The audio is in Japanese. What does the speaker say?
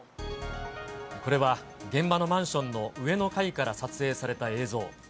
これは、現場のマンションの上の階から撮影された映像。